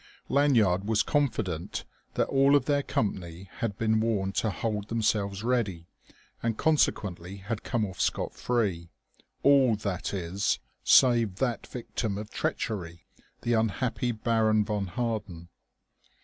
Lanyard was confident that all of their company had been warned to hold themselves ready, and consequently had come off scot free all, that is, save that victim of treachery, the unhappy Baron von Harden.